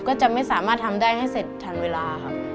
ก็จะไม่สามารถทำได้ให้เสร็จทันเวลาครับ